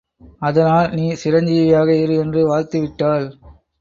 அதனால் நீ சிரஞ்சீவியாக இரு என்று வாழ்த்தி விட்டாள்.